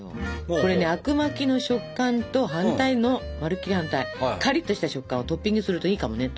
これねあくまきの食感と反対のまるっきり反対カリッとした食感をトッピングするといいかもねと思って。